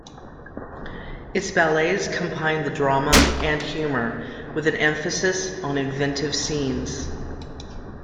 Its ballets combined the drama and humor, with an emphasis on inventive scenes.